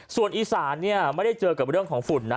ส่วนอีสานเนี่ยไม่ได้เจอกับเรื่องของฝุ่นนะ